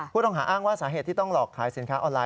ผู้ต้องหาอ้างว่าสาเหตุที่ต้องหลอกขายสินค้าออนไล